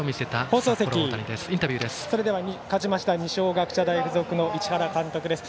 放送席勝ちました二松学舎大付属の市原監督です。